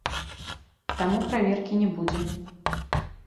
Таму праверкі не будзе.